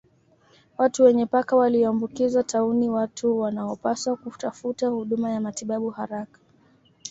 Watu wenye paka walioambukizwa tauni Watu wanaopaswa kutafuta huduma ya matibabu haraka